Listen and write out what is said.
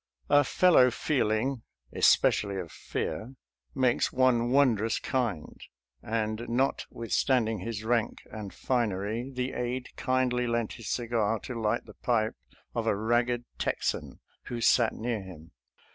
"A fellow feel ing "— especially of fear —" makes one wondrous kind," and notwithstanding his rank and finery, the aide kindly lent his cigar to light the pipe of a ragged Texan who sat near him.